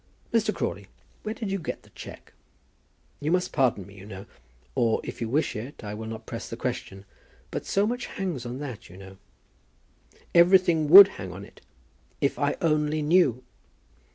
"Mr. Crawley, where did you get the cheque? You must pardon me, you know; or, if you wish it, I will not press the question. But so much hangs on that, you know." "Every thing would hang on it, if I only knew."